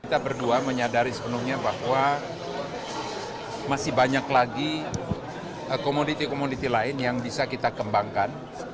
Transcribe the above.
kita berdua menyadari sepenuhnya bahwa masih banyak lagi komoditi komoditi lain yang bisa kita kembangkan